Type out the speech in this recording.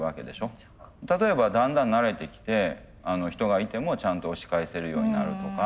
例えばだんだん慣れてきて人がいてもちゃんと押し返せるようになるとか。